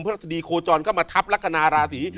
พระราชดีโคจรเข้ามาทับลักษณะอาราศรี